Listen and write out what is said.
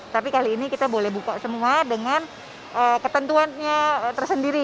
tapi kali ini kita boleh buka semua dengan ketentuannya tersendiri